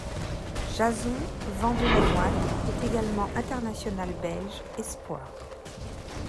Jason Vandelannoite est également international belge espoirs.